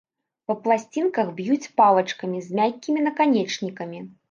Па пласцінках б'юць палачкамі з мяккімі наканечнікамі.